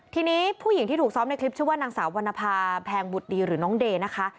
ทีนี้ผู้หญิงที่ถูกซ้อมในคลิปชื่อว่านางสาววรรณภาแพงบุตรดีหรือน้องเดย์นะคะ